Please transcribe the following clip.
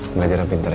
belajarnya pintar ya